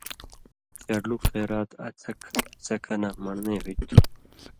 شرلُک خېرات اڅھک سکہ نہ من٘ڑنئ ہُوئ تُھو ۔